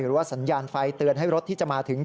หรือว่าสัญญาณไฟเตือนให้รถที่จะมาถึง